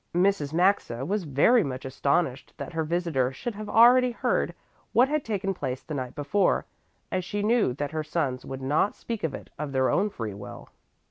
Mrs. Maxa was very much astonished that her visitor should have already heard what had taken place the night before, as she knew that her sons would not speak of it of their own free will.